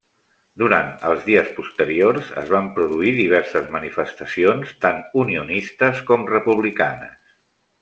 Durant els dies posteriors es van produir diverses manifestacions tant unionistes com republicanes.